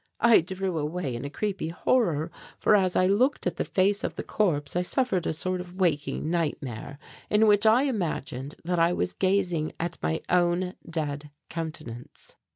I drew away in a creepy horror, for as I looked at the face of the corpse I suffered a sort of waking nightmare in which I imagined that I was gazing at my own dead countenance.